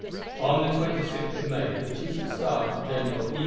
On the 26th of May, the chief of staff of General E.